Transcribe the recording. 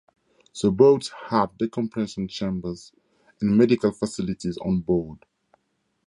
The boats had decompression chambers and medical facilities on board.